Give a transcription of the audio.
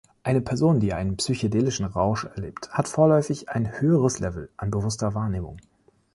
Eine Person, die einen psychedelischen Rausch erlebt, hat vorläufig ein höheres Level an bewusster Wahrnehmung.